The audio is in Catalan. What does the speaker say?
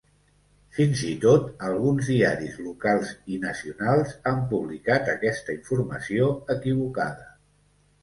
Fins i tot alguns diaris locals i nacionals han publicat aquesta informació equivocada.